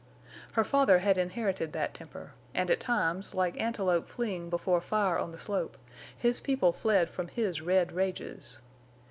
Her father had inherited that temper; and at times, like antelope fleeing before fire on the slope, his people fled from his red rages.